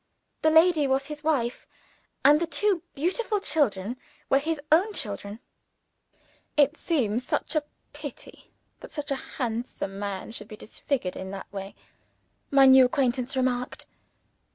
The lady was his wife, and the two beautiful children were his own children. "It seems a pity that such a handsome man should be disfigured in that way," my new acquaintance remarked.